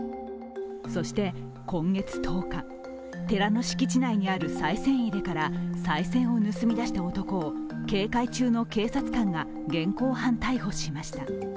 そして今月１０日、寺の敷地内にあるさい銭入れからさい銭を盗み出した男を警戒中の警察官が現行犯逮捕しました。